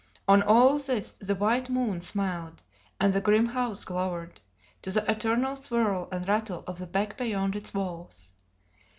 On all this the white moon smiled, and the grim house glowered, to the eternal swirl and rattle of the beck beyond its walls.